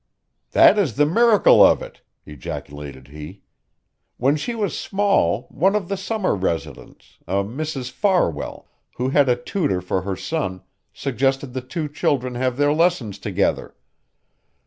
"That is the miracle of it!" ejaculated he. "When she was small, one of the summer residents, a Mrs. Farwell, who had a tutor for her son, suggested the two children have their lessons together.